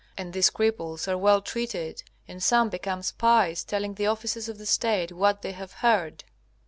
And these cripples are well treated, and some become spies, telling the officers of the State what they have heard.